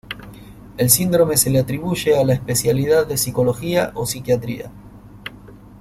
El síndrome de se le atribuye a la especialidad de psicología o psiquiatría.